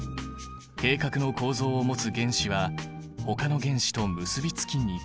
閉殻の構造を持つ原子はほかの原子と結びつきにくい。